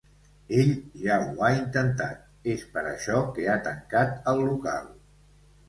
Ell ja ho ha intentat, és per això que ha tancat el local.